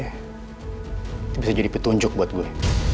itu bisa jadi petunjuk buat gue